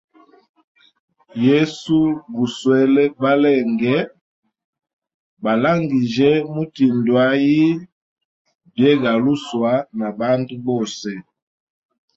Yesu guswele balenge, balangijye mutindwʼayi byegaluswa na bandu bose.